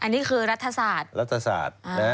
อันนี้คือรัฐศาสตร์รัฐศาสตร์